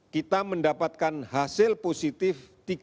kita mendapatkan hasil positif tiga belas delapan ratus lima puluh